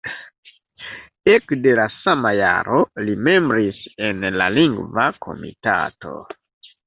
Ekde la sama jaro li membris en la Lingva Komitato.